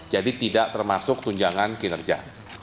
jadi tidak termasuk tunjangan kinerja